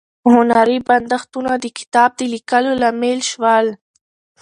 هنري بندښتونه د کتاب د لیکلو لامل شول.